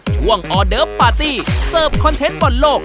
ออเดิร์ฟปาร์ตี้เสิร์ฟคอนเทนต์บอลโลก